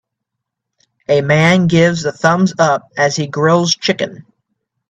A man gives the thumbs up as he grills chicken.